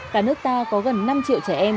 cả nước ta có gần năm triệu trẻ em